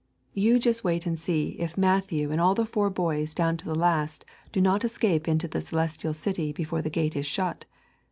You just wait and see if Matthew and all the four boys down to the last do not escape into the Celestial City before the gate is shut.